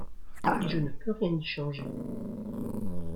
Et je ne peux rien y changer.